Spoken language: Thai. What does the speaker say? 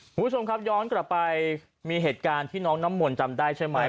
คุณผู้ชมครับย้อนกลับไปมีเหตุการณ์ที่น้องน้ำมนต์จำได้ใช่ไหม